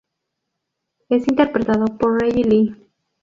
Es interpretado por Reggie Lee.